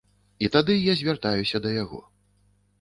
І тады я звяртаюся да яго.